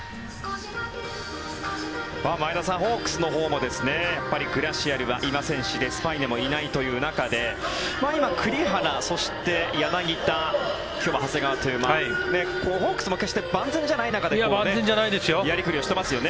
前田さん、ホークスのほうもグラシアルはいませんしデスパイネもいないという中で今、栗原、そして柳田長谷川というホークスも万全じゃない中でやりくりしていますよね。